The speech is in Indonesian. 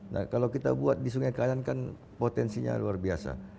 nah kalau kita buat di sungai kanan kan potensinya luar biasa